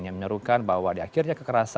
yang menyerukan bahwa di akhirnya kekerasan